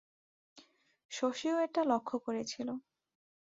শশীও এটা লক্ষ করিয়াছিল।